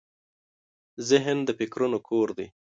ذهن د فکرونو کور دی.